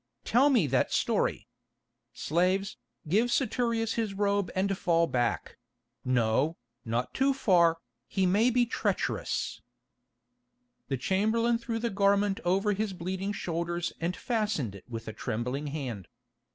"Tell me that story. Slaves, give Saturius his robe and fall back—no, not too far, he may be treacherous." The chamberlain threw the garment over his bleeding shoulders and fastened it with a trembling hand.